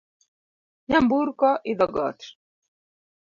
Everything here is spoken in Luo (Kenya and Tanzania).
Nyamburko idho got